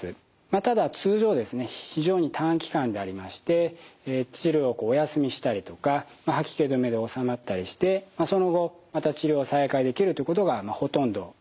ただ通常非常に短期間でありまして治療をお休みしたりとか吐き気止めで収まったりしてその後また治療が再開できるってことがほとんどでございます。